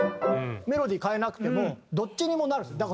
メロディー変えなくてもどっちにもなるんですよ。